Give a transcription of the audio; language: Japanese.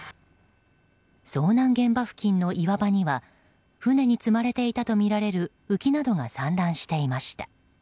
遭難現場付近の岩場には船に積まれていたとみられる浮きなどが散乱していました。